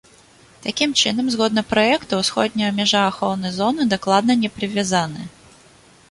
Такім чынам, згодна праекту ўсходняя мяжа ахоўнай зоны дакладна не прывязаная.